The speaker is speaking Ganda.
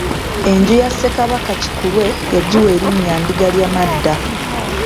Enju ya Ssekabaka Kikulwe yagiwa erinnya Ndigalyamadda.